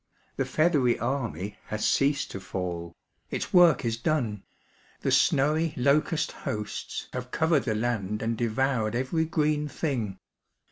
The feathery army has ceased to fall. Its work is done; the snowy locust hosts have covered the land and devoured every green thing.